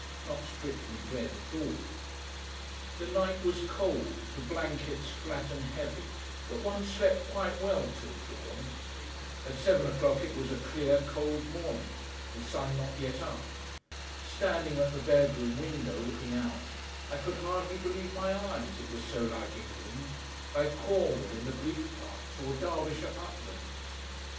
Not strictly bread at all. The night was cold, the blankets flat and heavy, but one slept quite well till dawn. At seven o'clock it was a clear, cold morning, the sun not yet up. Standing at the bedroom window looking out, I could hardly believe my eyes it was so like England, like Cornwall in the bleak parts, or Derbyshire uplands.